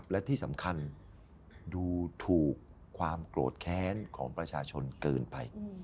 และที่สำคัญดูถูกความโกรธแค้นของประชาชนเกินไป